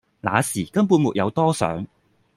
那時根本沒有多想